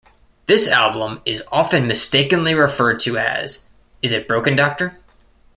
This album is often mistakenly referred to as Is It Broken, Doctor?